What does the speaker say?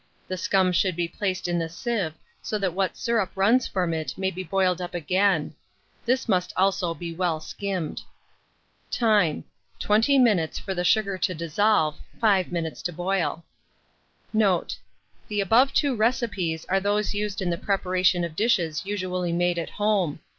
The scum should be placed on a sieve, so that what syrup runs from it may be boiled up again: this must also be well skimmed. Time. 20 minutes for the sugar to dissolve; 5 minutes to boil. Note. The above two recipes are those used in the preparation of dishes usually made at home.